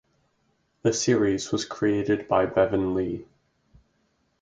The series was created by Bevan Lee.